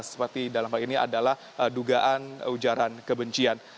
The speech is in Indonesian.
seperti dalam hal ini adalah dugaan ujaran kebencian